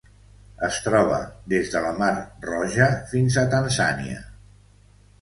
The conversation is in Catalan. Es troba des de la Mar Roja fins a Tanzània.